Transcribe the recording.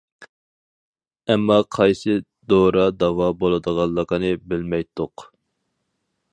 ئەمما، قايسى دورا داۋا بولىدىغانلىقىنى بىلمەيتتۇق.